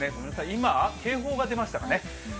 今、警報が出ましたかね。